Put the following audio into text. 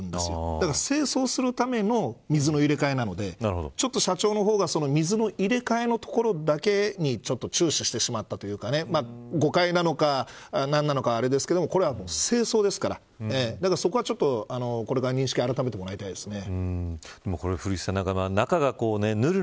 だから清掃するための水の入れ替えなので社長の方が水の入れ替えのところだけに注視してしまったというか誤解なのか、何なのかは分からないですがこれは清掃ですからそこは、これから認識をあらためてもらいたいですね。